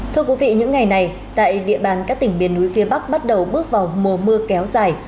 thưa quý vị những ngày này tại địa bàn các tỉnh miền núi phía bắc bắt đầu bước vào mùa mưa kéo dài